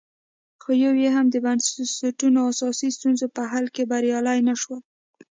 خو یو یې هم د بنسټونو اساسي ستونزو په حل کې بریالي نه شول